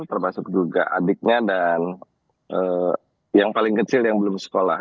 termasuk juga adiknya dan yang paling kecil yang belum sekolah